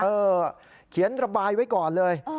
เขียนระบายไว้ก่อนเลย